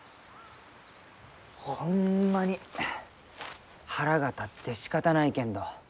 ホンマに腹が立ってしかたないけんど。